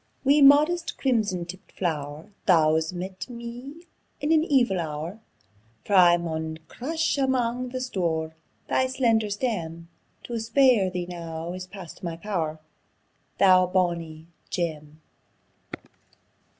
Wee, modest crimson tipped flow'r, Thou's met me in an evil hour; For I maun crush amang the stoure Thy slender stem: To spare thee now is past my pow'r, Thou bonie gem.